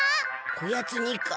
こやつにか？